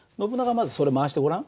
まずそれ回してごらん。